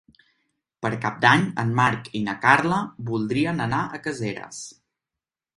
Per Cap d'Any en Marc i na Carla voldrien anar a Caseres.